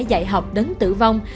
dạy học đấng tử vong